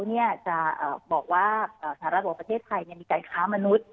จะบอกว่าสหรัฐของประเทศไทยมีการค้ามนุษย์